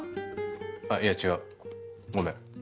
あっいや違うごめん